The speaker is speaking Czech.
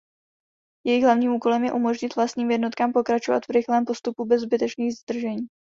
Jejich hlavním úkolem je umožnit vlastním jednotkám pokračovat v rychlém postupu bez zbytečných zdržení.